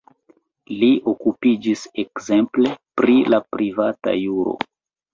Li okupiĝis ekzemple pri la privata juro.